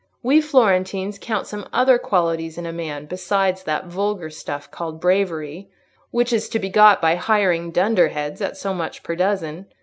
We Florentines count some other qualities in a man besides that vulgar stuff called bravery, which is to be got by hiring dunderheads at so much per dozen.